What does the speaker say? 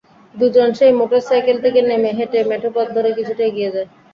দুজন সেই মোটরসাইকেল থেকে নেমে হেঁটে মেঠোপথ ধরে কিছুটা এগিয়ে যায়।